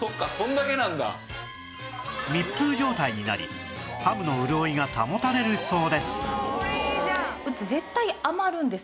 密封状態になりハムの潤いが保たれるそうです